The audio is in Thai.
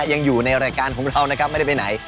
ยังอยู่ในรายการของเรานะครับไม่ได้ไปไหน